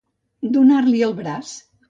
Donar-li el braç.